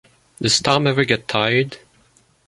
Does Tom ever get tired?